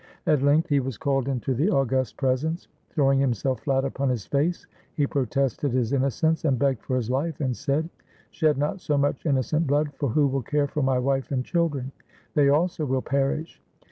At length he was called into the august presence. Throwing himself flat upon his face, he pro tested his innocence, and begged for his life, and said, "Shed not so much innocent blood! for who will care for my wife and children? They also will perish!"